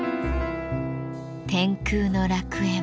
天空の楽園。